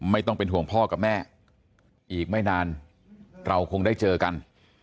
ไม่ต้องเป็นห่วงพ่อกับแม่อีกไม่นานเราคงได้เจอกัน